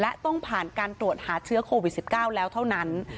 และต้องผ่านการตรวจหาเชื้อโควิด๑๙แล้วเท่านั้น